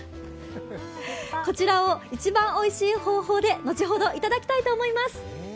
こちらを一番おいしい方法で後ほど頂きたいと思います。